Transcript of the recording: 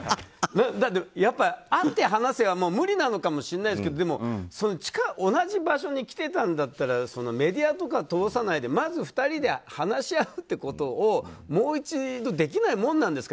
だって、会って話すのは無理なのかもしれないですけど同じ場所に来てたんだったらメディアとか通さないでまず２人で話し合うことをもう一度できないものなんですか。